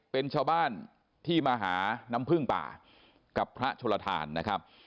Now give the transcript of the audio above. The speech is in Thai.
เป็นชาวบ้านที่มาหาน้ำพึ่งป่ากับพระโชลทานนะครับ